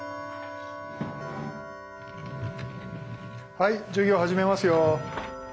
はい授業始めますよ。